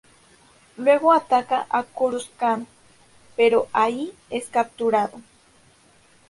Luego ataca Coruscant, pero ahí es capturado.